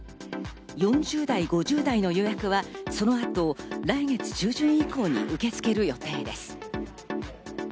４０代、５０代の予約はその後、来月中旬以降に受け付ける予定です。